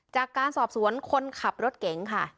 จากการสอบสวนคนขับรถเก๋งค่ะ